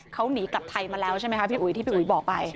เขาหนีกลับไทยมาแล้วใช่ไหมคะพี่อุ๋ยที่พี่อุ๋ยบอกไป